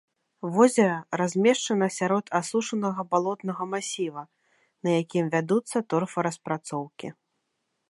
Возера размешчана сярод асушанага балотнага масіва, на якім вядуцца торфараспрацоўкі.